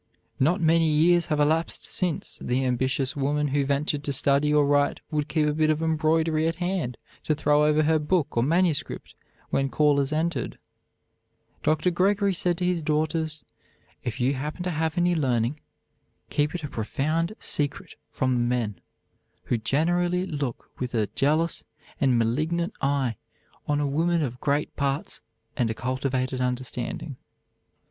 Not many years have elapsed since the ambitious woman who ventured to study or write would keep a bit of embroidery at hand to throw over her book or manuscript when callers entered. Dr. Gregory said to his daughters: "If you happen to have any learning, keep it a profound secret from the men, who generally look with a jealous and malignant eye on a woman of great parts and a cultivated understanding."